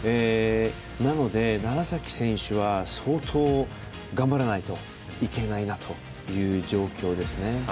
なので、楢崎選手は相当、頑張らないといけないなという状況ですね。